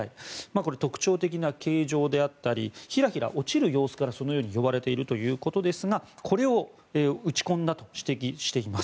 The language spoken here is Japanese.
これは特徴的な形状であったりヒラヒラ落ちる様子からそのように呼ばれているということですがこれを撃ち込んだと指摘しています。